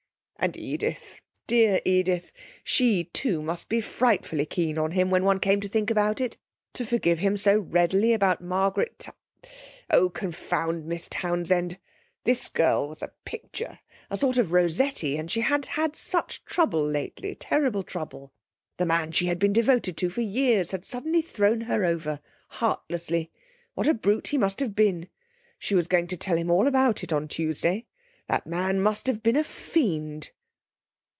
And Edith, dear Edith she, too, must be frightfully keen on him, when one came to think about it, to forgive him so readily about Margaret Tow Oh, confound Miss Townsend. This girl was a picture, a sort of Rossetti, and she had had such trouble lately terrible trouble. The man she had been devoted to for years had suddenly thrown her over, heartlessly.... What a brute he must have been! She was going to tell him all about it on Tuesday. That man must have been a fiend!...